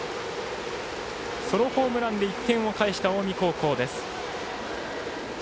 ソロホームランで１点を返した近江高校です。